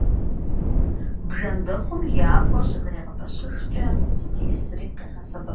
Bjjendexhum yi abğuer şızerigepeşıjjç'e sıt yiş'ısri khêğesebep.